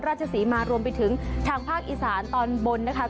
ราชศรีมารวมไปถึงทางภาคอีสานตอนบนนะคะ